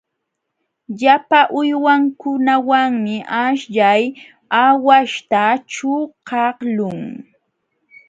Llapa uywankunamanmi aśhllay aawaśhta ćhuqaqlun.